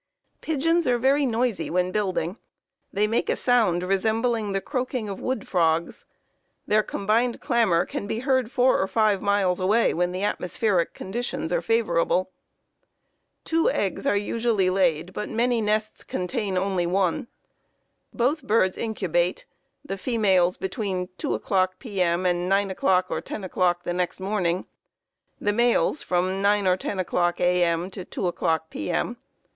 "Pigeons are very noisy when building. They make a sound resembling the croaking of wood frogs. Their combined clamor can be heard 4 or 5 miles away when the atmospheric conditions are favorable. Two eggs are usually laid, but many nests contain only one. Both birds incubate, the females between 2 o'clock P.M. and 9 o'clock or 10 o'clock the next morning; the males from 9 or 10 o'clock A.M. to 2 o'clock P.M.